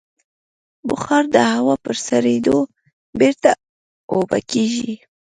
بخار د هوا په سړېدو بېرته اوبه کېږي.